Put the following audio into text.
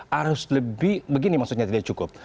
harus lebih begini maksudnya tidak cukup